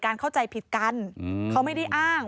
เข้าใจผิดกันเขาไม่ได้อ้าง